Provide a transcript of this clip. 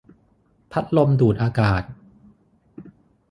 พัดลมดูดอากาศ